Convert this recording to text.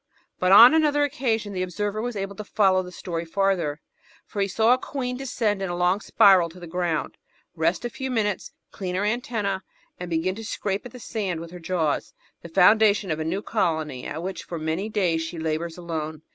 But on another occasion the observer was able to follow the story farther, for he saw a queen descend in a long spiral to the ground, rest a few minutes, clean her antennas, and begin to scrape at the sand with her jaws — ^the foimdation of a new colony at which for many days she labours alone.